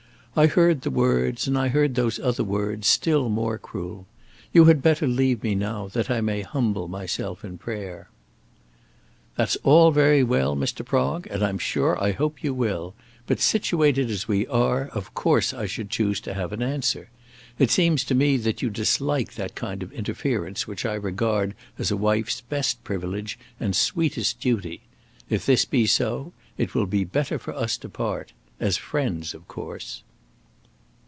"I heard the words, and I heard those other words, still more cruel. You had better leave me now that I may humble myself in prayer." "That's all very well, Mr. Prong, and I'm sure I hope you will; but situated as we are, of course I should choose to have an answer. It seems to me that you dislike that kind of interference which I regard as a wife's best privilege and sweetest duty. If this be so, it will be better for us to part, as friends of course."